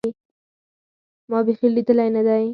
ما بيخي ليدلى نه دى.